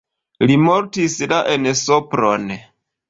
Li mortis la en Sopron.